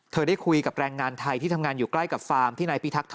เธอได้คุยกับแรงงานไทยที่ทำงานอยู่ใกล้กับฟาร์ม